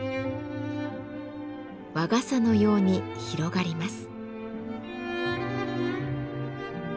和傘のように広がります。